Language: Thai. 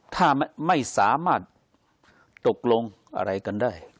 ถ้าไม่สามารถตกลงอะไรกันได้